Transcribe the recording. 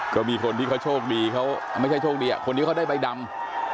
ก็มีคนที่เขาโชคดีเขาไม่ใช่โชคดีคนนี้เขาได้ใบดำ